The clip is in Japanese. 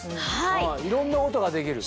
いろんなことができる。